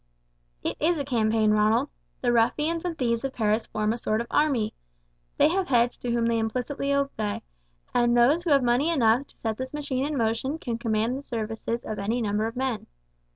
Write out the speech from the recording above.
"It is a campaign, Ronald. The ruffians and thieves of Paris form a sort of army. They have heads whom they implicitly obey, and those who have money enough to set this machine in motion can command the services of any number of men.